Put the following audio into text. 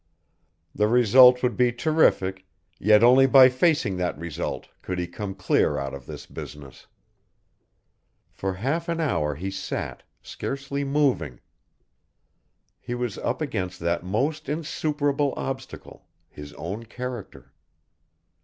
The result would be terrific, yet only by facing that result could he come clear out of this business. For half an hour he sat, scarcely moving. He was up against that most insuperable obstacle, his own character.